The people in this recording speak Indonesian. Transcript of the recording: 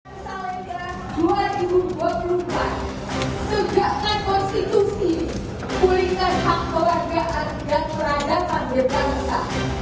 seruan salemba dua ribu dua puluh empat sejauh rekonstitusi pulihkan hak kewajaran dan peradaban di bangsa